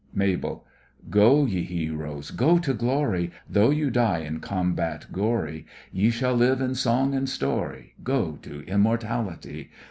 MABEL: Go, ye heroes, go to glory, Though you die in combat gory, Ye shall live in song and story. Go to immortality!